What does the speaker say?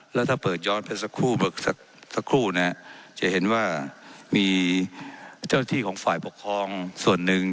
แล้วถ้าเปิดย้อนไปสักครู่สักครู่เนี่ยจะเห็นว่ามีเจ้าที่ของฝ่ายปกครองส่วนหนึ่ง